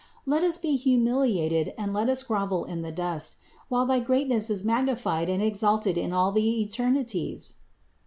Let us be humili ated and let us grovel in the dust, while thy greatness is magnified and exalted in all the eternities."